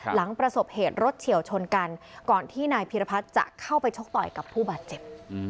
หลังประสบเหตุรถเฉียวชนกันก่อนที่นายพีรพัฒน์จะเข้าไปชกต่อยกับผู้บาดเจ็บ